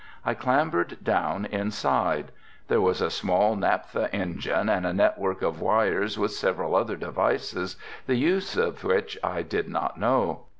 I clambered down inside; there was a small naptha engine and a network of wires with several other devices, the use of which I did not know.